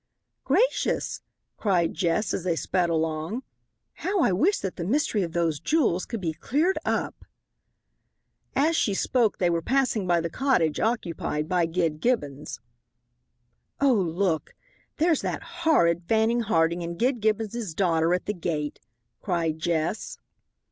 "Gracious," cried Jess, as they sped along, "how I wish that the mystery of those jewels could be cleared up." As she spoke they were passing by the cottage occupied by Gid Gibbons. "Oh, look, there's that horrid Fanning Harding and Gid Gibbons's daughter at the gate," cried Jess.